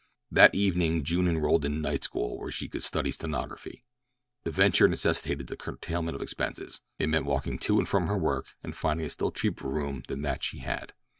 That evening June enrolled in a night school where she could study stenography. The venture necessitated a curtailment of expenses—it meant walking to and from her work and finding a still cheaper room than that she had.